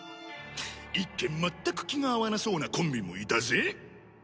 一見全く気が合わなそうなコンビもいたぜ。